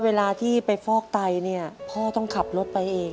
เวลาที่ไปฟอกไตเนี่ยพ่อต้องขับรถไปเอง